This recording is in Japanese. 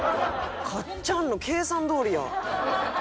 かっちゃんの計算どおりや。